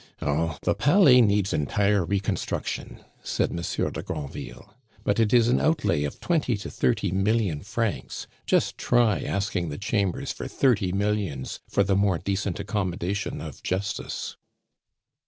"Oh! the Palais needs entire reconstruction," said Monsieur de Granville. "But it is an outlay of twenty to thirty million francs! Just try asking the Chambers for thirty millions for the more decent accommodation of Justice."